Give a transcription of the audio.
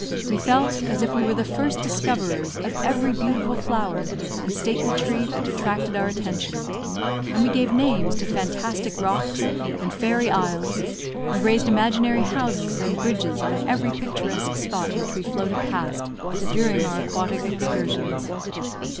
We felt as if we were the first discoverers of every beautiful flower and stately tree that attracted our attention, and we gave names to fantastic rocks and fairy isles, and raised imaginary houses and bridges on every picturesque spot which we floated past during our aquatic excursions.